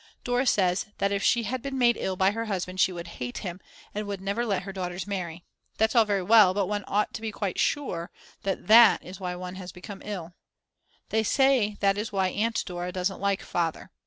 Dora says that if she had been made ill by her husband she would hate him and would never let her daughters marry. That's all very well, but one ought to be quite sure that that is why one has become ill. They say that is why Aunt Dora doesn't like Father.